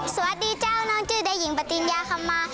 สวัสดีเจ้าน้องจือเดยิ่งปะติงยาคัมม่า